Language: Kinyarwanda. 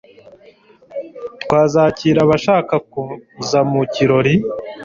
Tuzakira abashaka kuza mu kirori